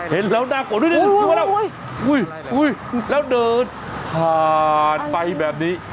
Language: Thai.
เห็นแล้วน่าโกรธโอ้โฮโอ้โฮโอ้โฮโอ้โฮแล้วเดินผ่านไปแบบนี้